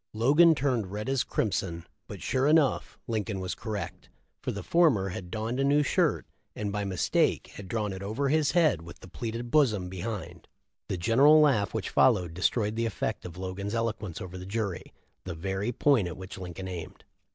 Logan turned red as crimson, but sure enough, Lincoln was correct, for the former had donned a new shirt, and by mistake had drawn it over his head with the pleated bosom behind. The general laugh which followed destroyed the effect of Logan's eloquence over the jury — the very point at which Lincoln aimed.